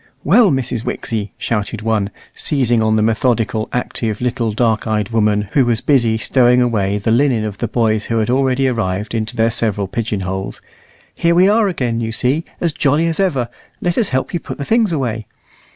"Well, Mrs. Wixie," shouted one, seizing on the methodical, active, little dark eyed woman, who was busy stowing away the linen of the boys who had already arrived into their several pigeon holes, "here we are again, you see, as jolly as ever. Let us help you put the things away."